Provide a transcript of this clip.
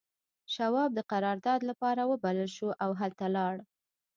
شواب د قرارداد لپاره وبلل شو او هلته لاړ